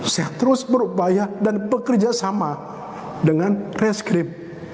saya terus berupaya dan bekerja sama dengan reskrip